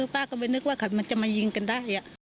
ป้าก็ไม่นึกว่ามันจะมายิงกันได้